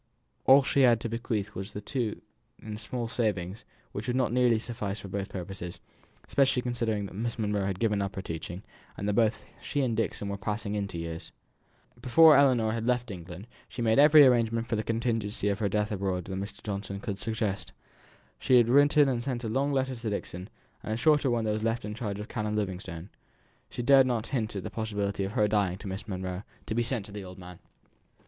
All she had to bequeath to the two was the small savings, which would not nearly suffice for both purposes, especially considering that Miss Monro had given up her teaching, and that both she and Dixon were passing into years. Before Ellinor left England she had made every arrangement for the contingency of her death abroad that Mr. Johnson could suggest. She had written and sent a long letter to Dixon; and a shorter one was left in charge of Canon Livingstone (she dared not hint at the possibility of her dying to Miss Monro) to be sent to the old man.